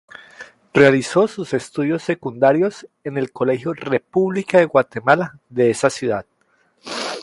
Realizó sus estudios secundarios en el colegio República de Guatemala de esa ciudad.